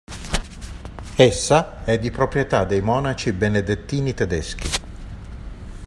Essa è di proprietà dei monaci benedettini tedeschi.